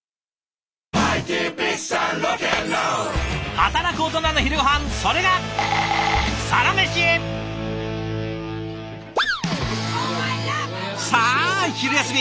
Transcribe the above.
働くオトナの昼ごはんそれがさあ昼休み！